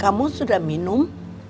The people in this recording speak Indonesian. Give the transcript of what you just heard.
kamu sudah minum